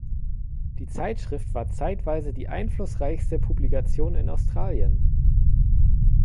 Die Zeitschrift war zeitweise die einflussreichste Publikation in Australien.